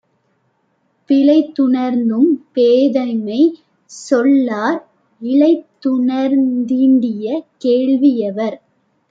பிழைத்துணர்ந்தும் பேதைமை சொல்லார் இழைத்துணர்ந்தீண்டிய கேள்வி யவர்.